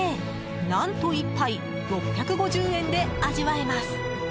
何と１杯６５０円で味わえます。